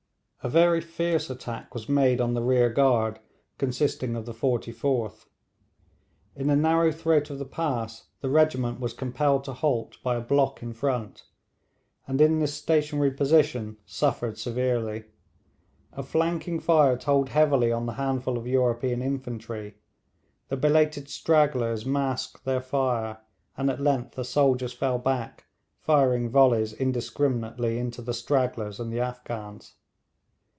A very fierce attack was made on the rear guard, consisting of the 44th. In the narrow throat of the pass the regiment was compelled to halt by a block in front, and in this stationary position suffered severely. A flanking fire told heavily on the handful of European infantry. The belated stragglers masked their fire, and at length the soldiers fell back, firing volleys indiscriminately into the stragglers and the Afghans.